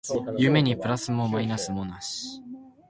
愛にプラスもマイナスもなし